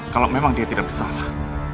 kalau memang dia tidak bersalah